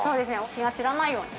気が散らないように。